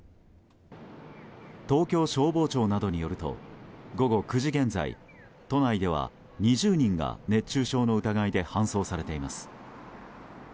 東京消防庁などによると午後９時現在、都内では２０人が熱中症の疑いで搬送されています。